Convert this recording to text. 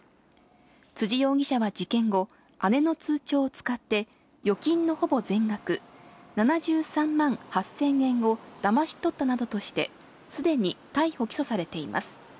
辻容疑者は事件後、姉の通帳を使って、預金のほぼ全額、７３万８０００円をだまし取ったなどとして、すでに逮捕・起訴されています。